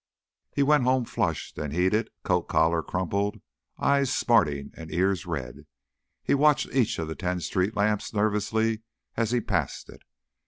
He went home flushed and heated, coat collar crumpled, eyes smarting and ears red. He watched each of the ten street lamps nervously as he passed it.